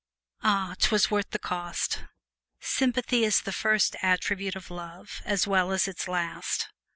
Ah, 'twas worth the cost. Sympathy is the first attribute of love as well as its last.